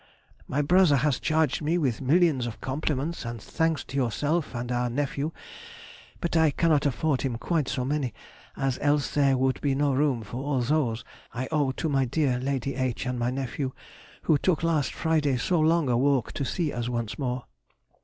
My brother has charged me with millions of compliments and thanks to yourself and our nephew, but I cannot afford him quite so many, as else there would be no room for all those I owe to my dear Lady H. and my nephew, who took last Friday so long a walk to see us once more.